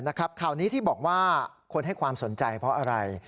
ข่าวนี้ที่บอกว่าคนให้ความสนใจเพราะอะไร